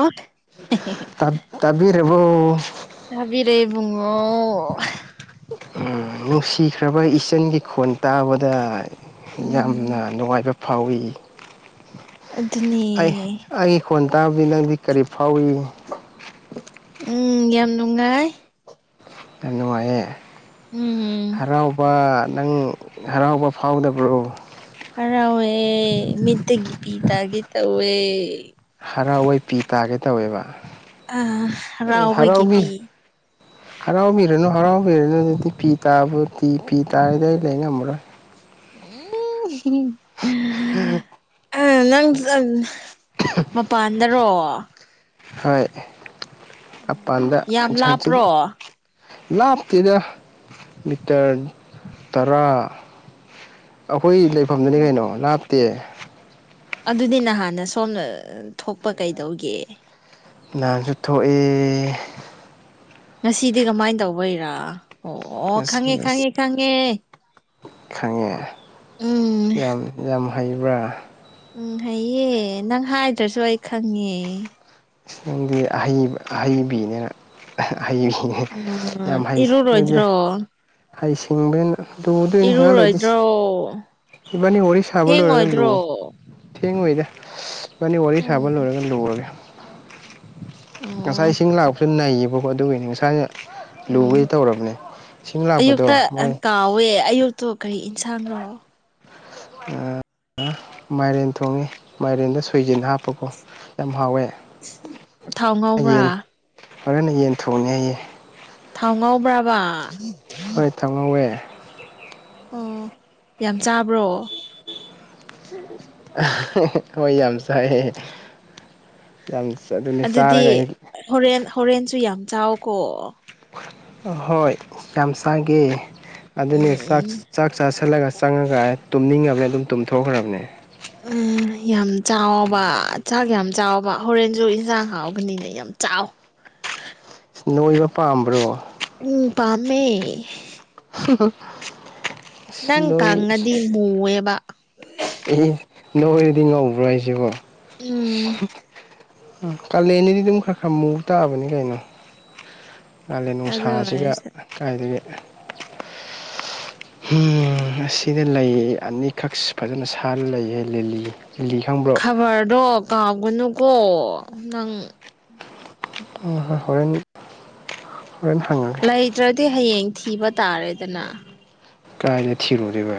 ꯑꯣ ꯇ ꯇꯕꯤꯔꯦꯕꯣ ꯇꯥꯕꯤꯔꯦ ꯕꯨꯡꯉꯣ ꯎꯝ ꯅꯨꯡꯁꯤꯈ꯭ꯔꯕ ꯏꯆꯟꯒꯤ ꯈꯣꯟ ꯇꯥꯕꯗ ꯎꯝ ꯌꯥꯝꯅ ꯅꯨꯡꯉꯥꯏꯕ ꯐꯥꯎꯋꯤ ꯑꯩ ꯑꯗꯨꯅꯦ ꯑꯩ ꯐꯣꯟ ꯇꯥꯕꯗꯤ ꯅꯪꯗꯤ ꯀꯔꯤ ꯐꯥꯎꯏ ꯎꯝ ꯌꯥꯝ ꯅꯨꯡꯉꯥꯏ ꯌꯥꯝ ꯅꯨꯡꯉꯥꯏꯌꯦ ꯎꯝ ꯍꯔꯥꯎꯕ ꯅꯪ ꯍꯔꯥꯎꯕ ꯐꯥꯎꯗꯕ꯭ꯔꯣ ꯍꯔꯥꯎꯋꯦ ꯃꯤꯠꯇꯒꯤ ꯄꯤ ꯇꯥꯒꯦ ꯇꯧꯋꯦ ꯍꯔꯥꯎꯋꯦ ꯄꯤ ꯇꯥꯒꯦ ꯇꯧꯋꯦꯕ ꯑ ꯍꯔꯥꯎꯕꯒꯤ ꯍꯔꯥꯎꯕꯤ ꯄꯤ ꯍꯔꯥꯎꯕꯤꯔꯅꯨ ꯍꯔꯥꯎꯕꯤꯔꯅꯨ ꯑꯗꯨꯗꯤ ꯄꯤ ꯇꯥꯕ ꯇꯤ ꯄꯤ ꯇꯥꯔꯗꯤ ꯑꯩ ꯂꯩꯉꯝꯃꯔꯣꯏ [unintelligible] [unintelligible] [unintelligible] ꯃꯄꯥꯟꯗꯔꯣ ꯍꯣꯏ ꯃꯄꯥꯟꯗ ꯍꯥꯡ ꯌꯥꯝ ꯍꯥꯡꯆꯤꯠ ꯂꯥꯞꯄ꯭ꯔꯣ ꯂꯥꯞꯇꯦꯗ ꯃꯤꯇꯔ ꯇꯔꯥ ꯑꯈꯣꯏ ꯂꯩꯐꯝꯗꯨꯅꯤ ꯀꯩꯅꯣ ꯂꯥꯞꯇꯦ ꯑꯗꯨꯗꯤ ꯅꯍꯥꯟꯅ ꯁꯣꯝꯗ ꯊꯣꯛꯄ ꯀꯩꯗꯧꯒꯦ ꯅꯥꯟꯁꯨ ꯊꯣꯛꯑꯦ ꯉꯁꯤꯗꯤ ꯀꯃꯥꯏꯟ ꯇꯧꯕꯩꯔꯥ ꯑꯣ ꯑꯁ ꯈꯪꯉꯦ ꯑꯁ ꯈꯪꯉꯦ ꯈꯪꯉꯦ ꯈꯪꯉꯦ ꯎꯝ ꯌꯥꯝ ꯌꯥꯝ ꯍꯩꯕ꯭ꯔꯥ ꯎꯝ ꯍꯩꯌꯦ ꯅꯪ ꯍꯥꯏꯗ꯭ꯔꯁꯨ ꯑꯩ ꯈꯪꯉꯦ ꯏꯁ ꯈꯪꯗꯦ ꯑꯍꯩ ꯑꯍꯩꯕꯤꯅꯦꯅ ꯑꯍꯩꯕꯤꯅꯤ ꯎꯝ ꯌꯥꯝ ꯍꯩ ꯗꯨꯗꯤ ꯏꯔꯨꯔꯣꯏꯗ꯭ꯔꯣ ꯍꯩꯁꯤꯡꯕꯅ ꯂꯨꯗꯣꯏꯅꯦ ꯉꯍꯥꯛ ꯂꯩꯗꯤꯁ ꯏꯔꯨꯔꯣꯏꯗ꯭ꯔꯣ ꯏꯕꯥꯅꯤ ꯋꯔꯤ ꯁꯕ ꯂꯣꯏꯔꯒ ꯂꯨꯋꯣ ꯊꯦꯡꯉꯣꯏꯗ꯭ꯔꯣ ꯊꯦꯡꯉꯣꯏꯗ ꯏꯕꯅꯤ ꯋꯥꯔꯤ ꯁꯥꯕ ꯎꯝ ꯂꯣꯏꯔꯒ ꯂꯨꯔꯒꯦ ꯉꯁꯥꯏ ꯑꯣ ꯏꯁꯤꯡ ꯂꯥꯛꯄꯁꯨ ꯅꯩꯌꯦꯕꯀꯣ ꯑꯗꯨꯒꯤꯅꯤ ꯉꯁꯥꯏꯅ ꯂꯨꯒꯦ ꯎꯝ ꯇꯧꯔꯕꯅꯦ ꯁꯤꯡ ꯂꯥꯛꯄꯗꯣ ꯑꯌꯨꯛꯇ ꯃꯣꯏ ꯀꯥꯎꯋꯦ ꯑꯌꯨꯛꯇꯣ ꯀꯔꯤ ꯏꯟꯁꯥꯡꯔꯣ ꯃꯥꯏꯔꯦꯟ ꯊꯣꯡꯉꯦ ꯃꯥꯏꯔꯦꯟꯗ ꯁꯣꯏꯖꯤꯟ ꯍꯥꯞꯄꯀꯣ ꯌꯥꯝ ꯍꯥꯎꯋꯦ ꯊꯥꯎ ꯌꯦꯟ ꯉꯧꯕ꯭ꯔꯥ ꯍꯣꯔꯦꯟꯅ ꯌꯦꯟ ꯊꯣꯡꯅꯦ ꯍꯥꯏꯌꯦ ꯊꯥꯎ ꯉꯧꯕ꯭ꯔꯕ ꯍꯣꯏ ꯊꯥꯎ ꯉꯧꯋꯦ ꯑꯣ ꯌꯥꯝ ꯆꯥꯕ꯭ꯔꯣ ꯍꯣꯏ ꯌꯥꯝ ꯆꯥꯏꯌꯦ ꯌꯥꯝ ꯆ ꯑꯗꯨꯅꯦ ꯆꯥꯔꯒ ꯑꯗꯨꯗꯤ ꯑꯩ ꯍꯣꯔꯦꯟ ꯍꯣꯔꯦꯟꯁꯨ ꯌꯥꯝ ꯆꯥꯎꯀꯣ ꯥꯑꯍꯣꯏ ꯌꯥꯝ ꯆꯒꯦ ꯑꯗꯨꯅꯦ ꯎꯝ ꯆꯥꯛ ꯎꯝ ꯆꯥꯛ ꯆꯥꯥꯁꯜꯂꯒ ꯆꯪꯉꯒ ꯇꯨꯝꯅꯤꯡꯉꯕꯅꯦ ꯑꯗꯨꯝ ꯇꯨꯝꯊꯣꯛꯈ꯭ꯔꯕꯅꯦ [unintelligible] ꯌꯥꯝ ꯆꯥꯌꯣꯕ ꯆꯥꯛ ꯌꯥꯝ ꯆꯥꯎꯕ ꯍꯣꯔꯦꯟꯖꯨ ꯏꯟꯖꯥꯡ ꯍꯥꯎꯕꯅꯤꯅ ꯌꯥꯝ ꯆꯥꯎ ꯅꯣꯏꯕ ꯄꯥꯝꯕ꯭ꯔꯣ ꯎꯝ ꯄꯥꯝꯃꯦ [unintelligible] ꯅꯪ ꯅꯣꯏ ꯀꯪꯉꯗꯤ ꯃꯨꯋꯦꯕ ꯑꯦ ꯅꯣꯏꯔꯗꯤ ꯉꯧꯕ꯭ꯔꯣ ꯍꯥꯏꯖꯤꯕꯣ ꯎꯝ ꯑ ꯀꯥꯂꯦꯟꯅꯤꯗꯤ ꯑꯗꯨꯝ ꯈꯔ ꯈꯔ ꯃꯨꯕ ꯇꯥꯕꯅꯤ ꯀꯩꯅꯣ ꯀꯥꯂꯦꯟ ꯑꯗꯨ ꯅꯨꯡꯁꯥꯁꯤꯒ ꯑꯣꯏꯔꯁꯨ ꯀꯥꯏꯗꯒꯤ [unintelligible] ꯑꯁꯤꯗ ꯂꯩ ꯑꯅꯤꯈꯛ ꯐꯖꯅ ꯁꯥꯠꯂ ꯂꯩꯌꯦ ꯂꯤꯂꯤ ꯂꯤꯂꯤ ꯈꯪꯕꯔꯣ ꯈꯕꯔꯗꯣ ꯀꯥꯎꯒꯅꯨꯀꯣ ꯅꯪ ꯍꯣꯏ ꯍꯣꯏ ꯍꯣꯔꯦꯟ ꯍꯣꯔꯦꯟ ꯍꯪꯉꯥ ꯂꯩꯇ꯭ꯔꯗꯤ ꯍꯌꯦꯡ ꯊꯤꯕ ꯇꯥꯔꯦꯗꯅ ꯀꯥꯏꯗ ꯊꯤꯔꯨꯗꯣꯏꯕ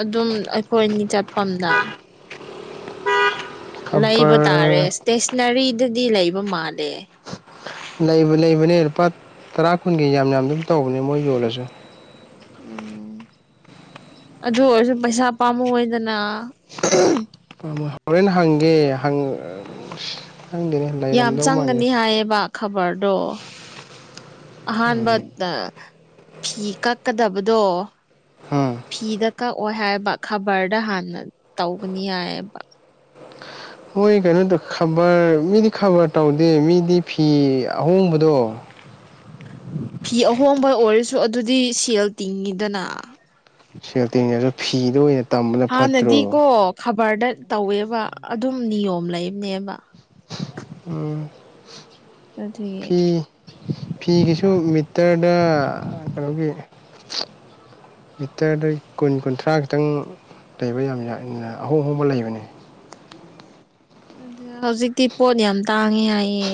ꯑꯗꯨꯝ ꯑꯩꯈꯣꯏ ꯑꯅꯤ ꯆꯠꯐꯝꯗ ꯂꯩꯕ ꯇꯥꯔꯦ ꯈꯕꯔ ꯏꯁꯇꯦꯁꯅꯔꯤꯗꯗꯤ ꯂꯩꯕ ꯃꯥꯜꯂꯦ ꯂꯩꯕ ꯂꯩꯕꯅꯦ ꯂꯨꯄꯥ ꯇꯔꯥ ꯀꯨꯟꯒꯤ ꯌꯥꯝ ꯌꯥꯝ ꯑꯗꯨꯝ ꯇꯧꯕꯅꯦ ꯃꯣꯏ ꯌꯣꯜꯂꯁꯨ ꯎꯨꯝ ꯑꯗꯨ ꯑꯣꯏꯔꯁꯨ ꯄꯩꯁꯥ ꯄꯥꯝꯃꯨ ꯑꯣꯏꯗꯅ ꯍꯣꯔꯦꯟ ꯍꯪꯒꯦ ꯍꯪ ꯈꯪꯗꯦꯅꯦ ꯌꯥꯝ ꯂꯩꯔꯝꯗꯧ ꯃꯥꯜꯂꯦ ꯆꯪꯒꯅꯤ ꯍꯥꯏꯌꯦꯕ ꯈꯕꯔꯗꯣ ꯑꯍꯥꯟꯕꯗꯥ ꯐꯤ ꯀꯛꯀꯗꯕꯗꯣ ꯍꯥꯝ ꯐꯤꯗ ꯀꯛꯑꯣꯏ ꯍꯥꯏꯕ ꯈꯕꯔꯗ ꯍꯥꯟꯅ ꯇꯧꯒꯅꯤ ꯍꯥꯏꯑꯦꯕ [inaudible] ꯃꯣꯏ ꯀꯩꯅꯣꯗ ꯈꯕꯔ ꯃꯤꯗꯤ ꯈꯕꯔ ꯇꯧꯗꯦ ꯃꯤꯗꯤ ꯐꯤ ꯑꯍꯣꯡꯕꯗꯣ ꯐꯤ ꯑꯍꯣꯡꯕ ꯑꯣꯏꯔꯁꯨ ꯑꯗꯨꯗꯤ ꯁꯦꯜ ꯇꯤꯡꯉꯤꯗꯅ ꯁꯦꯜ ꯇꯤꯡꯉꯁꯨ ꯐꯤꯗ ꯑꯣꯏꯅ ꯇꯝꯕꯅ ꯐꯠꯇ꯭ꯔꯣ ꯍꯥꯟꯅꯗꯤꯀꯣ ꯈꯕꯔꯗ ꯇꯧꯋꯦꯕ ꯑꯗꯨꯝ ꯅꯤꯌꯣꯝ ꯂꯩꯕꯅꯦꯕ ꯎꯝ ꯑꯗꯨꯒꯤ ꯐꯤ ꯐꯤꯒꯤꯁꯨ ꯃꯤꯇꯔꯗ ꯀꯩꯅꯣꯒꯤ ꯃꯤꯇꯔꯗ ꯀꯨꯟ ꯀꯨꯟꯊ꯭ꯔꯥ ꯈꯤꯇꯪ ꯂꯩꯕ ꯌꯥꯝ ꯑꯍꯣꯡ ꯑꯍꯣꯡꯕ ꯂꯩꯕꯅꯦ ꯑꯗ ꯍꯧꯖꯤꯛꯇꯤ ꯄꯣꯠ ꯌꯥꯝ ꯇꯥꯡꯉꯦ ꯍꯥꯏꯌꯦ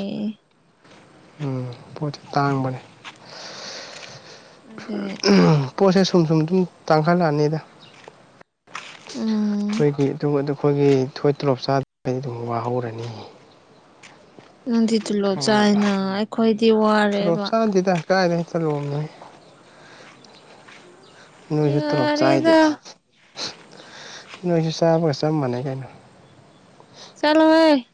ꯎꯨꯝ ꯄꯣꯠꯇꯤ ꯇꯥꯡꯕꯅꯦ ꯑꯗꯩ ꯄꯣꯠꯁꯦ ꯁꯨꯝ ꯁꯨꯝ ꯁꯨꯝ ꯇꯥꯡꯈꯠꯂꯛꯑꯅꯤꯗ ꯎꯝ ꯑꯩꯈꯣꯏꯒꯤ [unintelligible] ꯊꯣꯏ ꯇꯣꯂꯣꯞ ꯆꯥꯗ ꯑꯗꯨꯝ ꯋꯥꯍꯧꯔꯅꯤ ꯅꯪꯗꯤ ꯇꯨꯂꯣꯞ ꯈꯪꯉꯕ ꯆꯥꯏꯅ ꯑꯩꯈꯣꯏꯗꯤ ꯋꯥꯔꯦꯕ ꯀꯥꯗꯥꯏꯗꯒꯤ ꯇꯣꯂꯣꯞꯅꯣꯍꯦ ꯅꯣꯏꯁꯨ ꯇꯣꯂꯣꯞ ꯌꯥꯔꯦꯗ ꯆꯥꯏꯗꯨꯗꯤ ꯅꯣꯏꯁꯨ ꯆꯥꯕꯒ ꯆꯞ ꯃꯥꯟꯅꯩ ꯀꯩꯅꯣ ꯆꯂꯣꯍꯦ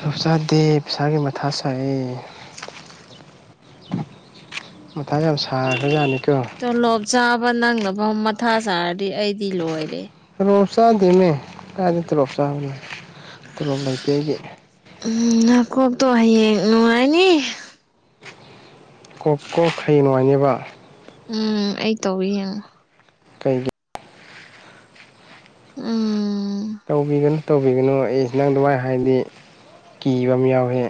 ꯆꯞ ꯆꯥꯗꯦ ꯄꯩꯁꯥꯒꯤ ꯃꯊꯥ ꯁꯥꯏꯌꯦ ꯃꯥꯊꯥ ꯌꯥꯝ ꯁꯥꯈ꯭ꯔꯖꯥꯅꯤꯀꯣ ꯇꯣꯂꯣꯞ ꯆꯥꯕ ꯅꯪꯅꯐꯥꯎ ꯃꯊꯥ ꯁꯥꯔꯗꯤ ꯑꯩꯗꯤ ꯂꯣꯏꯔꯦ ꯇꯣꯂꯣꯞ ꯆꯥꯗꯦꯅꯦ ꯀꯥꯏꯗ ꯇꯣꯂꯣꯞ ꯆꯥꯕꯅ ꯇꯣꯂꯣꯞ ꯂꯩꯇꯦ ꯑꯩꯒꯤ ꯎꯨꯝ ꯅꯥꯀꯣꯛꯇꯣ ꯍꯌꯦꯡ ꯅꯨꯡꯉꯥꯏꯅꯤ ꯀꯣꯛ ꯀꯣꯛ ꯍꯩꯌꯦꯡ ꯅꯨꯡꯉꯥꯏꯅꯦꯕ ꯎꯝ ꯑꯩ ꯇꯧꯒꯦ ꯌꯦꯡꯉꯣ ꯀꯩꯒꯤ ꯎꯨꯝ ꯇꯧꯕꯤꯒꯅꯨ ꯇꯧꯕꯤꯒꯅꯨ ꯑꯩ ꯅꯪ ꯑꯗꯨꯃꯥꯏ ꯍꯥꯏꯔꯗꯤ ꯀꯤꯕ ꯑꯃ ꯌꯥꯎꯏ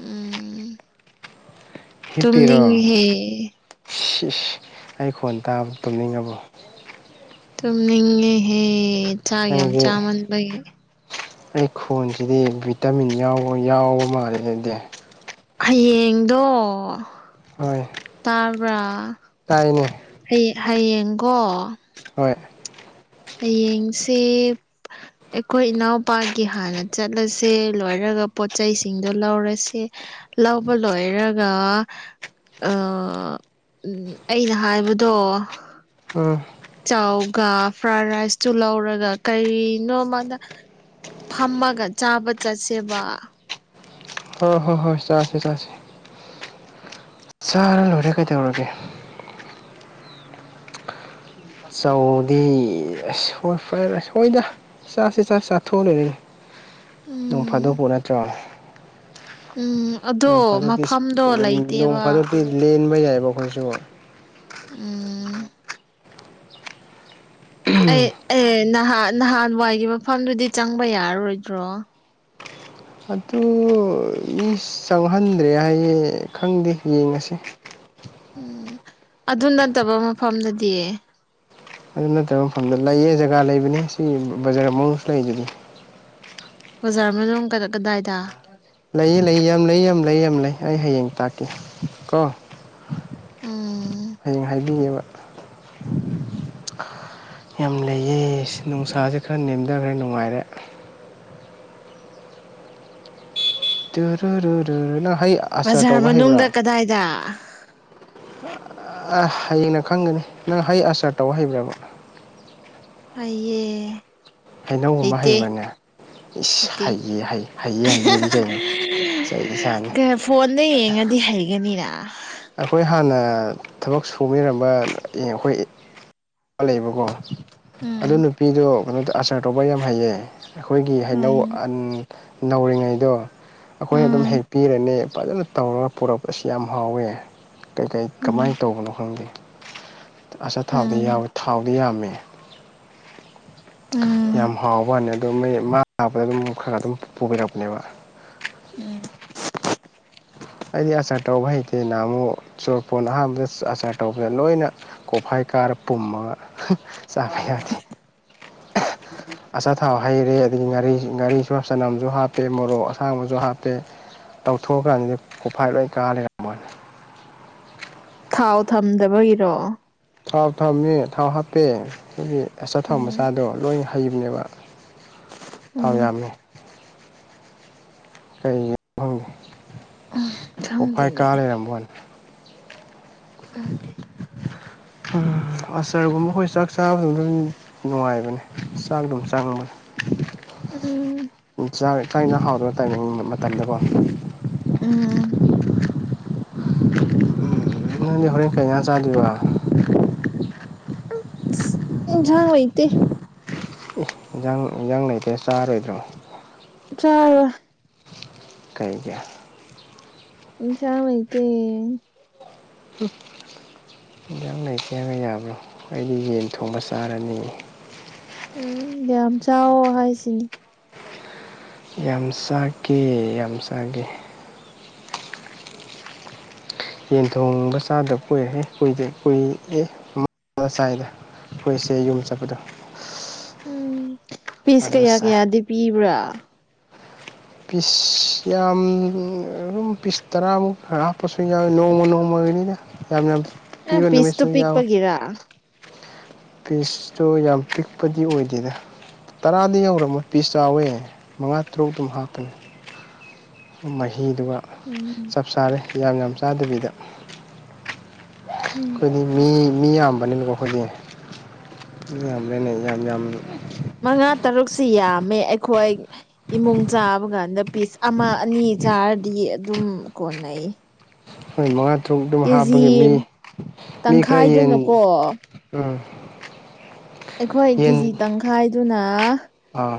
ꯎꯨꯝ ꯍꯤꯞꯄꯤꯔꯣ ꯇꯨꯝꯅꯤꯡꯉꯤꯍꯦ ꯁꯤꯁ ꯑꯩ ꯈꯣꯟ ꯇꯥꯕ ꯇꯨꯝꯅꯤꯡꯉꯕꯣ ꯇꯨꯝꯅꯤꯡꯉꯦꯍꯦ ꯆꯥꯛ ꯌꯥꯝ ꯅꯪꯗꯤ ꯆꯥꯃꯟꯕꯒꯤ ꯑꯩ ꯈꯣꯟꯁꯤꯗꯤ ꯚꯤꯇꯥꯃꯤꯟ ꯌꯥꯎꯕ ꯌꯥꯎꯕ ꯃꯥꯜꯂꯦ ꯅꯗꯦ ꯍꯌꯦꯡꯗꯣ ꯍꯣꯏ ꯇꯥꯕ꯭ꯔꯥ ꯇꯥꯏꯅꯦ ꯑꯩ ꯍꯌꯦꯡꯀꯣ ꯍꯣꯏ ꯍꯌꯦꯡꯁꯦ ꯑꯩꯈꯣꯏ ꯏꯅꯥꯎꯄꯥꯒꯤ ꯍꯥꯟꯅ ꯆꯠꯂꯁꯦ ꯂꯣꯏꯔꯒ ꯄꯣꯠꯆꯩꯁꯤꯡꯗꯣ ꯂꯧꯔꯁꯦ ꯂꯧꯕ ꯂꯣꯏꯔꯛ [unintelligible] ꯑꯥ ꯑꯩꯅ ꯍꯥꯏꯕꯗꯣ [unintelligible] ꯆꯥꯎꯒ ꯐ꯭ꯔꯥꯏ ꯔꯥꯏꯁꯇꯨ ꯂꯧꯔꯒ ꯀꯩꯅꯣ ꯃꯥꯗ ꯐꯝꯃꯒ ꯆꯥꯕ ꯆꯠꯁꯦꯕ ꯍꯣ ꯍꯣ ꯍꯣꯏ ꯆꯥꯁꯤ ꯆꯥꯁꯤ ꯆꯥꯔ ꯂꯣꯏꯔꯦ ꯀꯩꯗꯧꯔꯒꯦ ꯆꯧꯗꯤ ꯑꯁ ꯋꯥ ꯐꯔꯥꯏ ꯔꯥꯏꯁ ꯍꯣꯏꯗ ꯆꯥꯁꯤ ꯆꯥ ꯆꯥꯊꯣꯛꯑ ꯂꯣꯏꯔꯦꯗ ꯅꯣꯨꯡ ꯎꯝ ꯐꯥꯗꯨꯣꯛꯄꯨ ꯅꯠꯇ꯭ꯔꯣ ꯎꯝ ꯅꯣꯡ ꯑꯗꯣ ꯐꯥꯗꯣꯛꯇꯤ ꯃꯐꯝꯗꯣ ꯅꯣꯡ ꯂꯩꯇꯦꯕ ꯐꯥꯗꯣꯛꯇꯤ ꯂꯦꯟꯕ ꯌꯥꯏꯕ ꯑꯩꯈꯣꯏꯁꯨ ꯎꯝ ꯑꯩ ꯑꯦ ꯅꯍꯥꯟ ꯅꯍꯥꯟꯋꯥꯏꯒꯤ ꯃꯐꯝꯗꯨꯗꯤ ꯆꯪꯕ ꯌꯥꯔꯔꯣꯏꯗ꯭ꯔꯣ ꯑꯗꯨ ꯃꯤ ꯆꯪꯍꯟꯗ꯭ꯔꯦ ꯍꯥꯏꯌꯦ ꯈꯪꯗꯦ ꯌꯦꯡꯉꯁꯤ ꯎꯝ ꯑꯗꯨ ꯅꯠꯇꯕ ꯃꯐꯝꯗꯗꯤ ꯑꯗꯨ ꯅꯠꯇꯕ ꯃꯐꯝꯗ ꯂꯩꯌꯦ ꯖꯒꯥ ꯂꯩꯕꯅꯦ ꯁꯤ ꯕꯖꯥꯔ ꯃꯅꯨꯡꯁꯨ ꯂꯩꯗꯨꯗꯤ ꯕꯖꯥꯔ ꯃꯅꯨꯡ [unintelligible] ꯀꯗꯥꯏꯗ ꯂꯩꯌꯦ ꯂꯩ ꯌꯥꯝ ꯂꯩ ꯌꯥꯝ ꯂꯩ ꯌꯥꯝ ꯂꯩ ꯑꯩ ꯍꯌꯦꯡ ꯇꯥꯛꯀꯦ ꯀꯣ ꯎꯝ ꯍꯌꯦꯡ ꯍꯥꯏꯕꯤꯒꯦꯕ [inaudible] ꯌꯥꯝ ꯂꯩꯌꯦ ꯅꯨꯡꯁꯥꯖꯦ ꯈꯔ ꯅꯦꯝꯗꯔꯦ ꯅꯨꯡꯉꯥꯏꯔꯦ [unintelligible] ꯅꯪ ꯍꯩ ꯑꯆꯥꯔ ꯕꯖꯥꯔ ꯇꯧꯕ ꯃꯅꯨꯡꯗ ꯍꯩꯕ꯭ꯔꯥ ꯀꯗꯥꯏꯗ ꯑ ꯍꯌꯦꯡꯅ ꯈꯪꯒꯅꯤ ꯅꯪ ꯍꯩ ꯑꯆꯥꯔ ꯇꯧ ꯍꯩꯕ꯭ꯔꯕ ꯍꯩꯌꯦ ꯍꯩꯅꯧꯒꯨꯝꯕ ꯍꯩꯇꯦ ꯍꯩꯕ꯭ꯔꯅꯦ ꯏꯁ ꯍꯩꯇꯦ ꯍꯩ ꯍꯩ ꯍꯩꯌꯦ ꯍꯩꯗꯦꯗꯤ ꯀꯩꯅꯣ ꯆꯩ ꯆꯥꯅꯤ ꯐꯣꯟꯗ ꯌꯦꯡꯉꯗꯤ ꯍꯩꯒꯅꯤꯅ ꯑꯩꯈꯣꯏ ꯍꯥꯟꯅ ꯊꯕꯛ ꯁꯨꯕꯤꯔꯝꯕ ꯑꯩꯈꯣꯏ ꯂꯩꯕꯀꯣ ꯑꯗꯨ ꯎꯝ ꯅꯨꯄꯤꯗꯣ ꯀꯩꯅꯣ ꯑꯆꯥꯔ ꯇꯧꯕ ꯌꯥꯝ ꯍꯩꯌꯦ ꯑꯩꯈꯣꯏꯒꯤ ꯍꯩꯅꯧ ꯎꯝ ꯑꯟ ꯅꯧꯔꯤꯉꯩꯗꯣ ꯑꯩꯈꯣꯏꯅ ꯑꯗꯨꯝ ꯎꯝ ꯍꯦꯛꯄꯤꯔꯅꯤ ꯐꯖꯅ ꯇꯧꯔꯒ ꯄꯨꯔꯛꯄ ꯑꯁ ꯌꯥꯝ ꯍꯥꯎꯋꯦ ꯀꯩ ꯀꯩ ꯎꯝ ꯀꯃꯥꯏ ꯇꯧꯕꯅꯣ ꯈꯪꯗꯦ ꯑꯆꯥꯊꯥꯎꯗꯤ ꯎꯝ ꯌꯥꯎꯋꯦ ꯊꯥꯎꯗꯤ ꯌꯥꯝꯃꯦ ꯎꯝ ꯌꯥꯝ ꯍꯥꯎꯕ꯭ꯋꯥꯏꯅꯤ ꯑꯗꯨ ꯃꯤ ꯃꯥ ꯂꯥꯛꯄꯗ ꯑꯗꯨꯝ ꯈꯔ ꯈꯔ ꯑꯗꯨꯝ ꯄꯨꯕꯤꯔꯛꯄꯅꯦꯕ ꯎꯝ ꯑꯩꯗꯤ ꯑꯆꯥꯔ ꯇꯧꯕ ꯍꯩꯇꯦ ꯅꯍꯥꯟꯃꯨꯛ ꯆꯣꯔꯐꯣꯟ ꯑꯍꯥꯟꯕꯗ ꯑꯆꯥꯔ ꯇꯧꯕꯗ ꯂꯣꯏꯅ ꯀꯣꯛꯐꯥꯏ ꯀꯥꯔ ꯄꯨꯝꯃꯒ ꯆꯥꯕ ꯌꯥꯗꯦ ꯑꯆꯥꯊꯥꯎ ꯍꯩꯔꯦ ꯑꯗꯒꯤ ꯉꯥꯔꯤ ꯉꯥꯔꯤꯁꯨ ꯆꯅꯝꯁꯨ ꯍꯥꯞꯄꯦ ꯃꯣꯔꯣꯛ ꯑꯁꯥꯡꯕꯁꯨ ꯍꯥꯞꯄꯦ [unintelligible] ꯀꯣꯛꯐꯥꯏ ꯂꯣꯏ ꯀꯥ ꯂꯩꯔꯝ [unintelligible] ꯊꯥꯎ ꯊꯝꯗꯕꯒꯤꯔꯣ ꯊꯥꯎ ꯊꯝꯃꯦ ꯊꯥꯎ ꯍꯥꯞꯄꯦ ꯑꯗꯨꯒꯤ ꯑꯆꯥꯊꯥꯎ ꯎꯝ ꯃꯆꯥꯗꯣ ꯂꯣꯏ ꯍꯥꯞ ꯍꯩꯕꯅꯦꯕ ꯊꯥꯎ ꯎꯝ ꯌꯥꯝꯃꯦ ꯀꯩꯒꯤꯅꯣ ꯈꯪꯗꯦ ꯀꯣꯛꯐꯥꯏ ꯀꯥ ꯈꯪꯗꯦꯅꯦ ꯂꯩꯔꯝꯕꯩ ꯋꯥꯅꯦ ꯎꯝ ꯑꯆꯔꯒꯨꯝꯕ ꯑꯩꯈꯣꯏ ꯆꯥꯛ ꯆꯥꯕꯗ ꯑꯗꯨꯝ ꯅꯨꯡꯉꯥꯏꯕꯅꯦ ꯆꯥꯛ ꯑꯗꯨꯝ ꯆꯪꯕꯅꯤ ꯎꯝ ꯆꯥꯛ ꯏꯟꯖꯥꯡ ꯍꯥꯎꯇꯕ ꯇꯥꯏꯃꯤꯡ ꯃꯇꯝꯗꯀꯣ ꯎꯝ ꯅꯪꯗꯤ ꯍꯣꯔꯦꯟ ꯀꯩꯖꯥꯡ ꯆꯥꯗꯣꯏꯕ ꯏꯟꯖꯥꯡ ꯂꯩꯇꯦ ꯏꯟꯖꯥꯡ ꯏꯟꯖꯥꯡ ꯂꯩꯇꯦ ꯆꯥꯔꯣꯏꯗ꯭ꯔꯣ ꯆꯥꯔꯔꯣꯏ ꯀꯩꯒꯤ ꯏꯟꯖꯥꯡ ꯂꯩꯇꯦ ꯍꯨꯝ ꯏꯟꯖꯥꯡ ꯂꯩꯇꯦ ꯍꯥꯏꯔꯒ ꯌꯥꯕ꯭ꯔꯣ ꯑꯩꯗꯤ ꯌꯦꯟ ꯊꯣꯡꯕ ꯆꯥꯔꯅꯤ ꯎꯝ ꯌꯥꯝ ꯆꯥꯎꯋꯣ ꯍꯥꯏꯁꯤꯅꯤ ꯌꯥꯝ ꯆꯥꯒꯦ ꯌꯥꯝ ꯆꯥꯒꯦ ꯌꯦꯟ ꯊꯣꯡꯕ ꯆꯥꯗꯕ ꯀꯨꯏꯔꯦꯍꯦ ꯀꯨꯏꯗꯦ ꯀꯨꯏ ꯑꯦ [unintelligible] ꯆꯥꯏꯗ ꯑꯩꯈꯣꯏꯁꯦ ꯌꯨꯝ ꯆꯠꯄꯗꯣ ꯎꯝ ꯄꯤꯁ ꯑꯗꯨꯗ ꯀꯌꯥ ꯆꯥꯏ ꯀꯌꯥꯗꯤ ꯄꯤꯕ꯭ꯔꯥ ꯄꯤꯁ ꯌꯥꯝ ꯑꯗꯨꯝ ꯄꯤꯁ ꯇꯔꯥꯃꯨꯛ ꯍꯥꯞꯄꯁꯨ ꯌꯥꯎꯏ ꯅꯣꯡꯃ ꯅꯣꯡꯃꯒꯤꯅꯤꯗ ꯌꯥꯝ ꯌꯥꯝ ꯑꯦ ꯄꯤꯕ ꯄꯤꯁꯇꯨ ꯅꯨꯃꯤꯠꯁꯨ ꯄꯤꯛꯄꯒꯤꯔ ꯄꯤꯁꯇꯨ ꯌꯥꯝ ꯄꯤꯛꯄꯗꯤ ꯑꯣꯏꯗꯦꯗ ꯇꯔꯥꯗꯤ ꯌꯧꯔꯝꯃꯣꯏ ꯄꯤꯁ ꯆꯥꯎꯋꯦ ꯃꯉꯥ ꯇꯔꯨꯛ ꯑꯗꯨꯝ ꯍꯥꯞꯄꯅꯤ ꯃꯍꯤꯗꯨꯒ ꯎꯝ ꯆꯞ ꯆꯥꯔꯦ ꯌꯥꯝ ꯌꯥꯝ ꯆꯥꯗꯕꯤꯗ ꯎꯝ ꯑꯩꯈꯣꯏꯗꯤ ꯃꯤ ꯃꯤ ꯌꯥꯝꯕꯅꯤꯅꯀꯣ ꯑꯩꯈꯣꯏꯗꯤ ꯃꯤ ꯌꯥꯝꯕꯅꯤꯅ ꯌꯥꯝ ꯌꯥꯝ ꯎꯝ ꯃꯉꯥ ꯇꯔꯨꯛꯁꯤ ꯌꯥꯝꯃꯦ ꯑꯩꯈꯣꯏ ꯏꯃꯨꯡ ꯆꯥꯕ ꯀꯥꯟꯗ ꯄꯤꯁ ꯑꯃ ꯑꯅꯤ ꯆꯥꯔꯗꯤ ꯑꯗꯨꯝ ꯀꯣꯟꯅꯩꯌꯦ ꯑꯩꯈꯣꯏ ꯃꯉꯥ ꯇꯔꯨꯛ ꯑꯗꯨꯝ ꯍꯥꯞꯄꯒꯤ ꯃꯤ ꯃꯤ ꯈꯔ ꯌꯦꯟ ꯇꯪꯈꯥꯏꯗꯨꯅꯀꯣ ꯎꯝ ꯑꯩꯈꯣꯏ ꯀꯦ ꯖꯤ ꯌꯦꯟ ꯇꯪꯈꯥꯏꯗꯨꯅ ꯑꯥ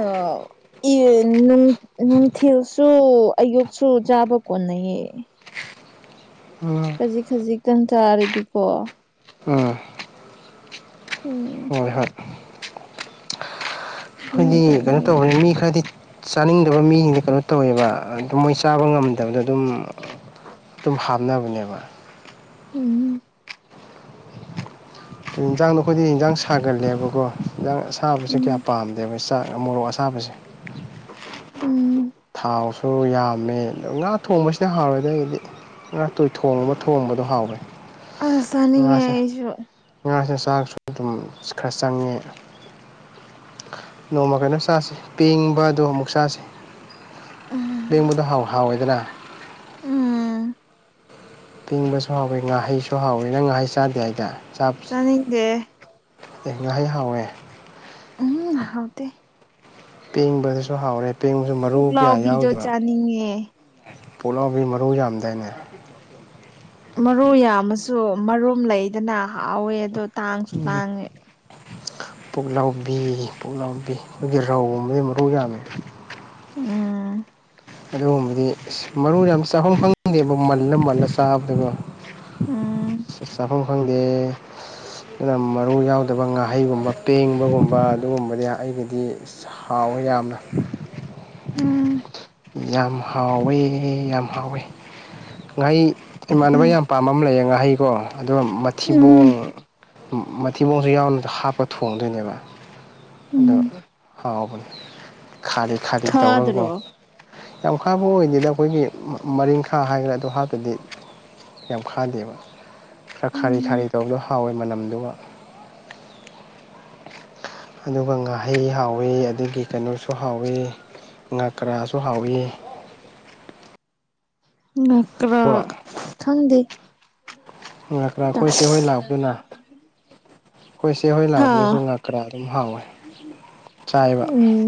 ꯑꯣ [unintelligible] ꯅꯨꯡꯊꯤꯜꯖꯨ ꯀꯣ ꯑꯌꯨꯛꯁꯨ ꯆꯥꯕ ꯀꯣꯟꯅꯩꯌꯦ ꯎꯝ ꯈꯖꯤꯛ ꯈꯖꯤꯛꯇꯪ ꯆꯥꯔꯗꯤꯀꯣ ꯑꯥ ꯎꯝ ꯍꯣꯏ ꯍꯣꯏ ꯑꯗꯨꯝ ꯑꯩꯈꯣꯏꯗꯤ ꯀꯩꯅꯣ ꯀꯣꯟꯅꯩꯌꯦꯕ ꯇꯧꯕꯅꯤ ꯃꯤ ꯈꯔꯗꯤ ꯆꯥꯅꯤꯡꯗꯕ ꯃꯤꯁꯤꯡꯖꯤ ꯀꯩꯅꯣ ꯇꯧꯋꯦꯕ ꯑꯗꯨꯝ ꯃꯣꯏ ꯆꯥꯕ ꯉꯝꯗꯕꯗꯣ ꯑꯗꯨꯝ ꯑꯗꯨꯝ ꯍꯥꯞꯅꯕꯅꯦꯕ ꯎꯝ ꯏꯟꯖꯥꯡꯗꯣ ꯑꯩꯈꯣꯏꯗꯤ ꯌꯦꯟꯖꯥꯡ ꯁꯥꯒꯜꯂꯦꯕꯀꯣ ꯌꯦꯟꯖꯥꯡ ꯁꯥꯕꯁꯦ ꯀꯌꯥ ꯎꯝ ꯄꯥꯝꯗꯦꯕ꯫ ꯆꯥꯛ ꯃꯣꯔꯣꯛ ꯑꯁꯥꯕꯁꯦ꯫ ꯎꯝ ꯊꯥꯎꯁꯨ ꯌꯥꯝꯃꯦ ꯉꯥ ꯊꯣꯡꯕꯁꯤꯅ ꯍꯥꯎꯔꯦꯗ ꯑꯩꯒꯤꯗꯤ꯫ ꯉꯥꯇꯣꯏ ꯊꯣꯡꯕ ꯊꯣꯡꯕꯗꯣ ꯍꯥꯎꯋꯦ꯫ ꯑꯁ ꯆꯅꯤꯡꯉꯦ ꯑꯩꯁꯨ꯫ ꯉꯥꯁꯤꯅ ꯆꯥꯛꯁꯨ ꯑꯗꯨꯝ ꯈꯔ ꯆꯪꯉꯦ꯫ ꯅꯣꯡꯃ ꯀꯩꯅꯣ ꯆꯥꯁꯦ ꯄꯦꯡꯕ ꯑꯗꯣ ꯑꯃꯨꯛ ꯆꯥꯁꯦ꯫ ꯎꯝ ꯄꯦꯡꯕꯗꯣ ꯍꯥꯎ ꯍꯥꯎꯋꯦꯗꯅ꯫ ꯎꯝ ꯄꯦꯡꯕꯁꯨ ꯍꯥꯎꯋꯤ ꯉꯥꯍꯩꯁꯨ ꯍꯥꯎꯋꯤ ꯅꯪ ꯉꯥꯍꯩ ꯆꯥꯗꯦ ꯍꯥꯏꯗ꯫ ꯆꯥꯅꯤꯡꯗꯦ꯫ ꯑꯦ ꯉꯥꯍꯩ ꯍꯥꯎꯋꯦ꯫ ꯎꯝ ꯍꯥꯎꯇꯦ꯫ ꯄꯦꯡꯕꯗꯁꯨ ꯍꯥꯎꯔꯦ ꯄꯦꯡꯕꯁꯨ ꯃꯔꯨ ꯀꯌꯥ ꯄꯨꯛꯂꯥꯎꯕꯤꯗꯣ ꯌꯥꯎꯗꯔ꯫ ꯆꯥꯅꯤꯡꯉꯦ ꯄꯣꯂꯥꯎꯕꯤ ꯃꯔꯨ ꯌꯥꯝꯗꯥꯏꯅꯦ꯫ ꯃꯔꯨ ꯌꯥꯝꯃꯁꯨ ꯃꯔꯨꯝ ꯂꯩꯗꯅ ꯍꯥꯎꯋꯦ ꯑꯗꯣ ꯇꯥꯡꯁꯨ ꯇꯥꯡꯉꯦ꯫ ꯄꯨꯛꯂꯥꯎꯕꯤ ꯄꯨꯛꯂꯥꯎꯕꯤ ꯑꯩꯈꯣꯏꯒꯤ ꯔꯧꯒꯨꯝꯕꯩ ꯃꯔꯨ ꯌꯥꯝꯃꯦ꯫ ꯎꯝ ꯑꯗꯨꯒꯨꯝꯕꯗꯤ ꯃꯔꯨ ꯌꯥꯝ ꯆꯥꯐꯝ ꯈꯪꯗꯦꯕ ꯃꯜꯂ ꯃꯜꯂ ꯆꯥꯕꯗꯨꯀꯣ꯫ ꯎꯝ ꯆꯥꯐꯝ ꯈꯪꯗꯦ꯫ ꯑꯗꯨꯅ ꯃꯔꯨ ꯌꯥꯎꯗꯕ ꯉꯥꯍꯩꯒꯨꯝꯕ ꯄꯦꯡꯕꯒꯨꯝꯕ ꯑꯗꯨꯒꯨꯝꯕꯗꯤ ꯑꯩꯒꯤꯗꯤ ꯍꯥꯎꯋꯦ ꯌꯥꯝꯅ꯫ ꯎꯝ ꯌꯥꯝ ꯍꯥꯎꯋꯦ ꯌꯥꯝ ꯍꯥꯎꯋꯦ꯫ ꯉꯥꯍꯩ ꯏꯃꯥꯟꯅꯕ ꯌꯥꯝ ꯄꯥꯝꯕ ꯑꯃ ꯂꯩꯌꯦ ꯉꯥꯍꯩꯀꯣ ꯑꯗꯨꯒꯗꯣ ꯃꯊꯤꯕꯣꯡ ꯎꯝ ꯃꯊꯤꯕꯣꯡꯁꯨ ꯌꯥꯎꯅ ꯍꯥꯞꯄ ꯊꯣꯡꯗꯣꯏꯅꯦꯕ꯫ ꯑꯗꯣ ꯎꯝ ꯍꯥꯎꯕꯅꯤ ꯈꯥꯔꯤ ꯈꯥꯔꯤ ꯇꯧꯔꯒꯀꯣ꯫ ꯈꯥꯗ꯭ꯔꯣ ꯌꯥꯝ ꯈꯥꯕ ꯑꯣꯏꯗꯦꯗ ꯑꯩꯈꯣꯏꯒꯤ ꯃꯔꯤꯡꯈꯥ ꯍꯥꯏꯈ꯭ꯔꯦ ꯑꯗꯨ ꯍꯥꯞꯄꯗꯤ ꯌꯥꯝ ꯈꯥꯗꯦꯕ꯫ ꯈꯔ ꯈꯥꯔꯤ ꯎꯝ ꯈꯥꯔꯤ ꯇꯧꯕꯗꯣ ꯍꯥꯎꯋꯦ ꯃꯅꯝꯗꯨꯒ꯫ ꯑꯗꯨꯒ ꯉꯥꯍꯩ ꯍꯥꯎꯋꯤ ꯑꯗꯨꯒꯤ ꯀꯩꯅꯣꯁꯨ ꯍꯥꯎꯋꯤ꯫ ꯀꯔꯥꯁꯨ ꯍꯥꯎꯏ꯫ ꯉꯥꯀ꯭ꯔꯥ ꯀꯣ ꯈꯪꯗꯦ꯫ ꯉꯥꯀ꯭ꯔꯥ ꯑꯩꯈꯣꯏ ꯆꯦ ꯂꯥꯛꯇꯅ꯫ ꯑꯩꯈꯣꯏꯆꯦꯍꯣꯏ ꯍꯥ ꯂꯥꯛꯄꯗꯁꯨ ꯉꯥꯀ꯭ꯔꯥ ꯑꯗꯨꯝ ꯍꯥꯎꯋꯦ ꯆꯥꯏꯕ꯫ ꯎꯝ